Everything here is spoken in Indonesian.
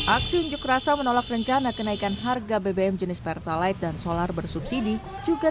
aksi unjuk rasa menolak rencana kenaikan harga bbm jenis pertalite dan solar bersubsidi juga